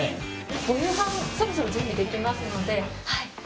お夕飯そろそろ準備できますので。